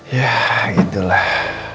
ya gitu lah